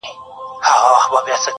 سمدلاه یې و سپي ته قبر جوړ کی,